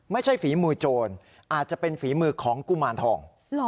ฝีมือโจรอาจจะเป็นฝีมือของกุมารทอง